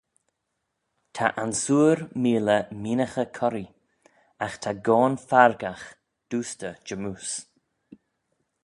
Ta ansoor meeley meeinaghey corree: agh ta goan fargagh doostey jymmoose.